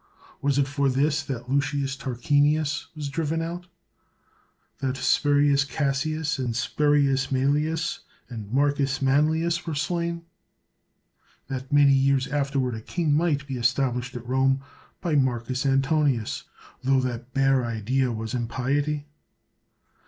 Was it for this that Lucius Tar quinius was driven out; that Spurius Cassius, and Spurius Mselius, and Marcus Manlius were slain; that many years afterward a king might be established at Rome by Marcus Antonius, tho the bare idea was impiety?